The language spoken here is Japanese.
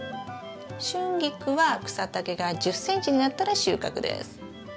シュンギクは草丈が１０ｃｍになったら収穫です。